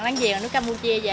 láng giềng nước campuchia